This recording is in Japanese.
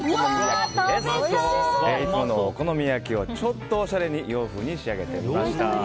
いつものお好み焼きをちょっとおしゃれに洋風に仕上げてみました。